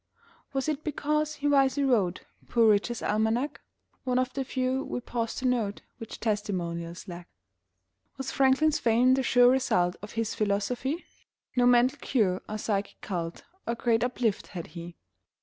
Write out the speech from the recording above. Was it because he wisely wrote Poor Richard's Almanac (One of the few, we pause to note, Which testimonials lack)? Was Franklin's fame the sure result Of his philosophy? (No mental cure or psychic cult Or Great Uplift had he.)